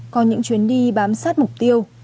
có những chuyến đi bám sát mục tiêu